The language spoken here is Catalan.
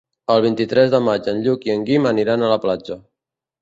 El vint-i-tres de maig en Lluc i en Guim aniran a la platja.